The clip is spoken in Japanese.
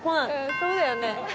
そうだよね。